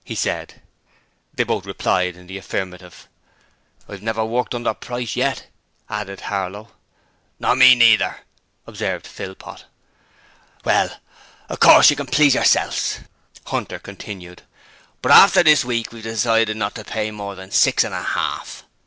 he said. They both replied to the affirmative. 'I've never worked under price yet,' added Harlow. 'Nor me neither,' observed Philpot. 'Well, of course you can please yourselves,' Hunter continued, 'but after this week we've decided not to pay more than six and a half.